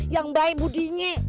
yang baik budinya